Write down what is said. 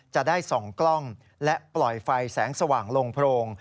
จะได้ส่องกล้องและปล่อยไฟแสงสว่างลงโพรง